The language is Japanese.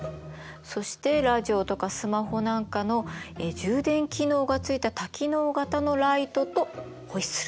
そしてラジオとかスマホなんかの充電機能がついた多機能型のライトとホイッスル。